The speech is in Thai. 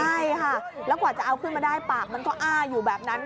ใช่ค่ะแล้วกว่าจะเอาขึ้นมาได้ปากมันก็อ้าอยู่แบบนั้น